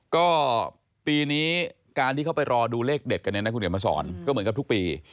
ก็ปีนี้การที่เขาไปรอดูเลขเด็ดกันเนี่ยนะคุณเดี๋ยวมาสอนก็เหมือนกับทุกปี